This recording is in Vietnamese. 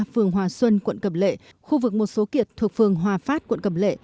phường hòa xuân quận cầm lệ khu vực một số kiệt thuộc phường hòa phát quận cầm lệ